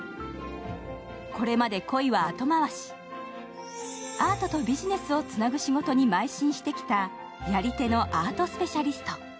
これまで恋は後回し、アートとビジネスをつなぐ仕事に邁進してきたやり手のアートスペシャリスト。